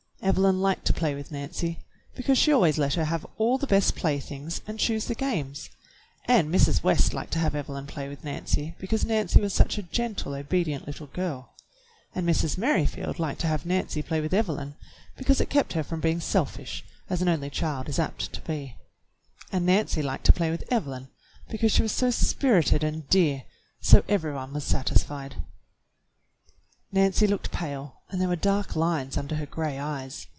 Evelyn liked to play with Nancy, because she always let her have all the best of the playthings and choose the games; and Mrs. West liked to have Evelyn play with Nancy, because Nancy was suqh a gentle, obedient little girl; and Mrs. Merrifield liked to have Nancy play with Evelyn, because it kept her from being selfish, as an only child is apt to be; and Nancy liked to play with 24. THE BLUE AUNT Evelyn, because she was so spirited and dear; so every one was satisfied. Nancy looked pale and there were dark lines under her gray eyes.